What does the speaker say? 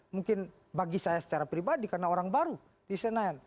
mungkin bagi saya secara pribadi karena orang baru di senayan